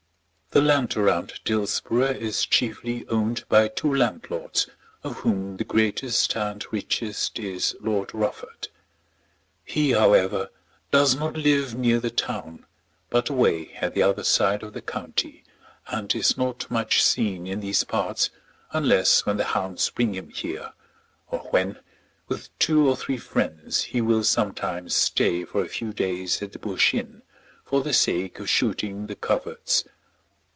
The land around Dillsborough is chiefly owned by two landlords, of whom the greatest and richest is Lord Rufford. He, however, does not live near the town, but away at the other side of the county, and is not much seen in these parts unless when the hounds bring him here, or when, with two or three friends, he will sometimes stay for a few days at the Bush Inn for the sake of shooting the coverts.